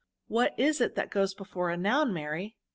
^' What is it that goes before a noun, Mary